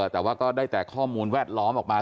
แต่ว่าก็ได้แต่ข้อมูลแวดล้อมออกมา